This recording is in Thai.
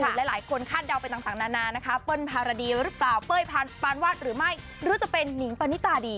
หลายคนคาดเดาไปต่างนานานะคะเปิ้ลภารดีหรือเปล่าเป้ยปานวาดหรือไม่หรือจะเป็นนิงปานิตาดี